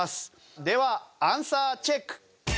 ではアンサーチェック！